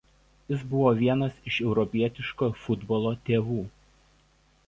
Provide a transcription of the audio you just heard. Jis buvo vienas iš Europietiško futbolo „tėvų“.